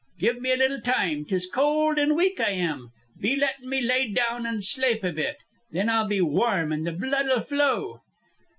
Give me a little time. 'Tis cold an' weak I am. Be lettin' me lay down an' slape a bit. Then I'll be warm an' the blood'll flow."